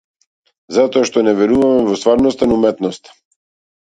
Затоа што не веруваме во стварноста на уметноста.